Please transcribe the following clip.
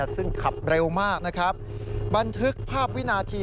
ซึ่งขับเร็วมากบันทึกภาพวินาที